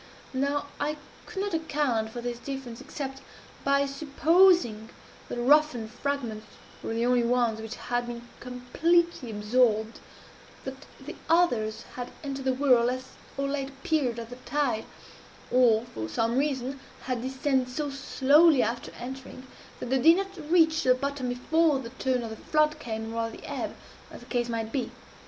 Now I could not account for this difference except by supposing that the roughened fragments were the only ones which had been completely absorbed that the others had entered the whirl at so late a period of the tide, or, from some reason, had descended so slowly after entering, that they did not reach the bottom before the turn of the flood came, or of the ebb, as the case might be.